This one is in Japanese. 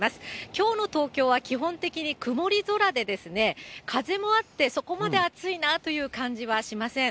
きょうの東京は基本的に曇り空でですね、風もあって、そこまで暑いなという感じはしません。